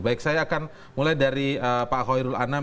baik saya akan mulai dari pak hoirul anam